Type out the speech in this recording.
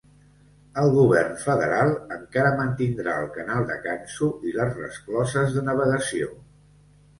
El govern federal encara mantindrà el canal de Canso i les rescloses de navegació.